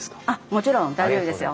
もちろん大丈夫ですよ。